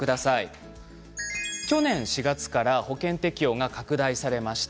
去年４月から保険適用が拡大されました。